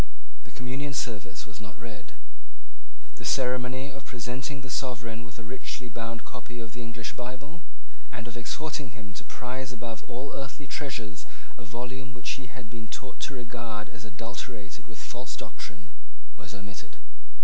The Communion Service was not read. The ceremony of presenting the sovereign with a richly bound copy of the English Bible, and of exhorting him to prize above all earthly treasures a volume which he had been taught to regard as adulterated with false doctrine, was omitted.